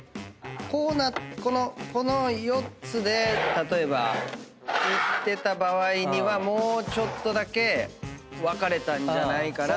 こうこの４つで例えばいってた場合にはもうちょっとだけ分かれたんじゃないかなという。